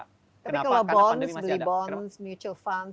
tapi kalau bonds beli bonds mutual fund